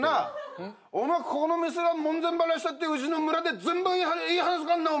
お前ここの店は門前払いしたってうちの村で全部言い触らすかんな！